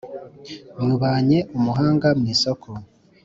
Nywubanye umuhanga mu isoko